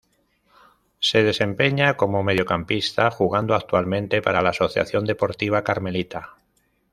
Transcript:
Se desempeña como mediocampista jugando actualmente para la Asociación Deportiva Carmelita.